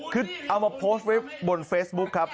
คือเอามาโพสต์ไว้บนเฟซบุ๊คครับ